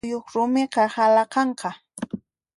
Kuyuq rumiqa halaqanqa.